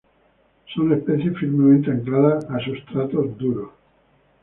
Son especies firmemente ancladas a sustratos duros.